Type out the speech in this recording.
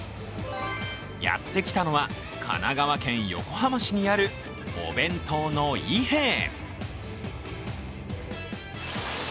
やってきたのは、神奈川県横浜市にあるお弁当の伊兵衛。